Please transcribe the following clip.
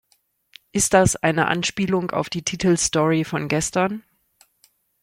Ist das eine Anspielung auf die Titelstory von gestern?